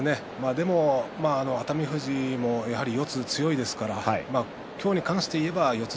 でも熱海富士もやはり四つが強いですから今日に関していえば四つ